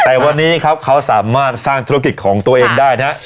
แต่วันนี้ครับเขาสามารถสร้างธุรกิจของตัวเองได้นะฮะ